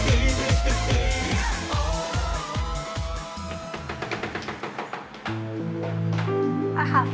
เปิดเปล่าเหรอปอย